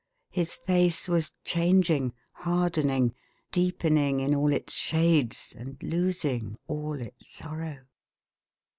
His face was changing, hardening, deepening in all its shades, and losing all its sorrow.